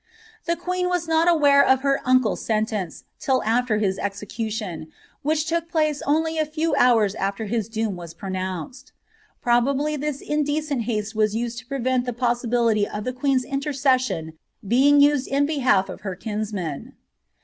The Been was not aware of her uncle^s sentence till after his execution, which M>k place only a few hours after his doom was pronounced. Probably lis indecent haste was used to prevent the possibility of the queen's in ircesaion being used in behalf of her kinsman.